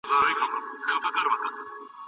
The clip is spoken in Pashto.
د زړه لپه کې دعا ارغواني وه: